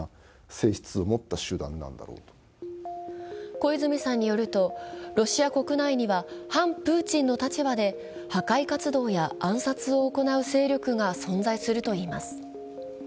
小泉さんによるとロシア国内には反プーチンの立場で破壊活動や暗殺を行う勢力が存在するといいます。